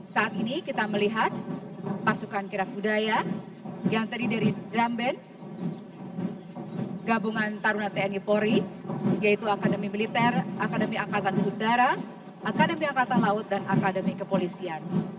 saat ini kita melihat pasukan kirap budaya yang terdiri dari drum band gabungan taruna tni polri yaitu akademi militer akademi angkatan udara akademi angkatan laut dan akademi kepolisian